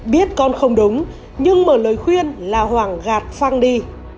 biết con không đúng nhưng mở lời khuyên là hoàng gạt phang đi